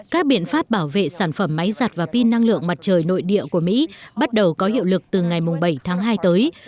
các biện pháp bảo vệ sản phẩm máy giặt và pin năng lượng mặt trời nội địa của mỹ bắt đầu có hiệu lực từ ngày bảy tháng hai tới